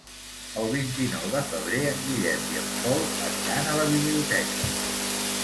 El vint-i-nou de febrer en Guillem i en Pol aniran a la biblioteca.